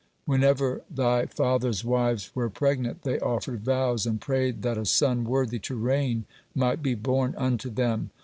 Whenever thy father's wives were pregnant, they offered vows and prayed that a son worthy to reign might be born unto them.